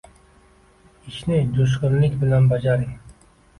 «Ishni jo’shqinlik bilan bajaring